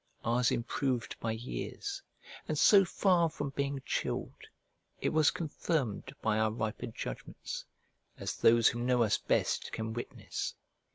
Ours improved by years; and so far from being chilled, it was confirmed by our riper judgments, as those who know us best can witness.